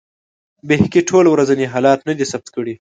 بیهقي ټول ورځني حالات نه دي ثبت کړي.